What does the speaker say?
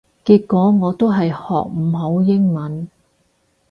結果我都係學唔好英文